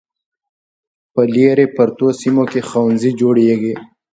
په لیرې پرتو سیمو کې ښوونځي جوړیږي.